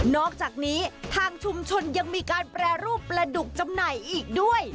อกจากนี้ทางชุมชนยังมีการแปรรูปปลาดุกจำหน่ายอีกด้วย